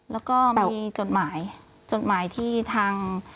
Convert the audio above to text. แล้วก็มีจดหมายจดหมายที่ทาง